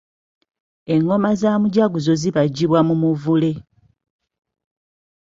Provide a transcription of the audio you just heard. Engoma za mujaguzo zibajjibwa mu muvule.